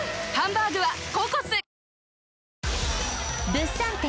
物産展